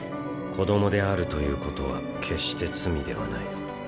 子どもであるということは決して罪ではない。